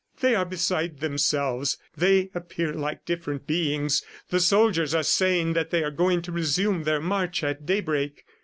"They are beside themselves; they appear like different beings. The soldiers are saying that they are going to resume their march at daybreak.